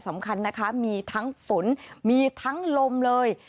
สำคัญนะคะมีทั้งฝนมีทั้งลมเลย